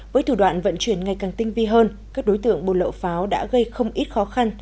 với thủ đoạn vận chuyển ngày càng tinh vi hơn các đối tượng buôn lậu pháo đã gây không ít khó khăn